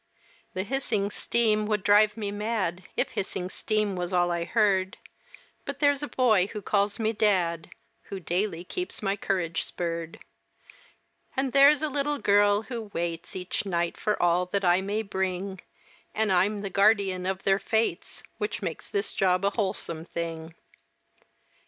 The hissing steam would drive me mad If hissing steam was all I heard; But there's a boy who calls me dad Who daily keeps my courage spurred; And there's a little girl who waits Each night for all that I may bring, And I'm the guardian of their fates, Which makes this job a wholesome thing.